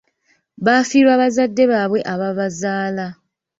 Baafiirwa bazadde baabwe abaabaazaala.